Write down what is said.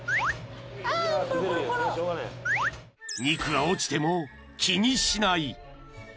［肉が落ちても気にしない］